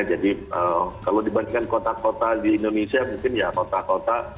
jadi kalau dibandingkan kota kota di indonesia mungkin ya kota kota